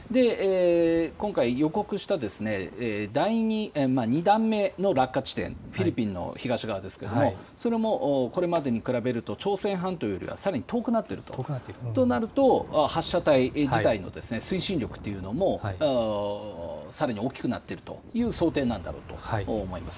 今回、予告した２段目の落下地点、フィリピンの東側ですがそれも、これまでに比べると朝鮮半島よりはさらに遠くなっているとなると発射台自体の推進力というのもさらに大きくなっているという想定なんだろうと思います。